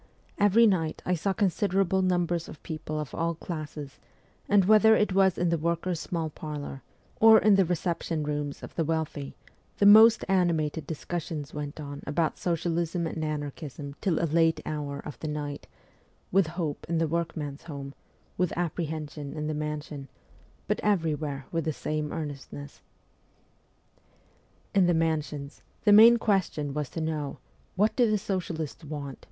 Every night I saw considerable numbers of people of all classes ; and whether it was in the worker's small parlour, or in the reception rooms of the wealthy, the most animated discussions went on about socialism and anarchism till a late hour of the 312 MEMOIRS OF A REVOLUTIONIST night with hope in the workman's home, with appre hension in the mansion, but everywhere with the same earnestness. In the mansions, the main question was to know, ' What do the socialists want